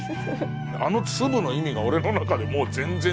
あの粒の意味が俺の中でもう全然。